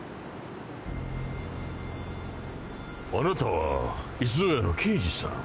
あなたはいつぞやの刑事さん。